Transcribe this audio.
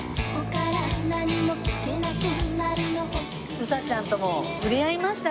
うさちゃんとも触れ合いましたし